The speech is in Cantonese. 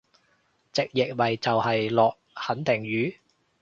直譯咪就係落肯定雨？